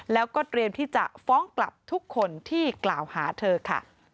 แล้วก็เตรียมที่จะฟ้องกลับทุกคนที่กล่าวหาเธอค่ะ